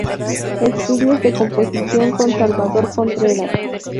Estudios de composición con Salvador Contreras.